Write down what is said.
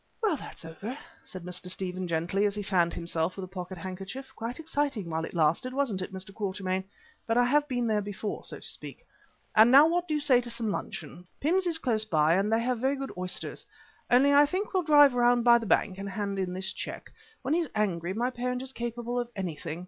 "Well, that's over," said Mr. Stephen gently, as he fanned himself with a pocket handkerchief. "Quite exciting while it lasted, wasn't it, Mr. Quatermain but I have been there before, so to speak. And now what do you say to some luncheon? Pym's is close by, and they have very good oysters. Only I think we'll drive round by the bank and hand in this cheque. When he's angry my parent is capable of anything.